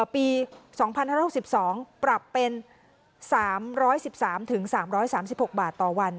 ปี๒๕๖๒ปรับเป็น๓๑๓๓๖บาทต่อวัน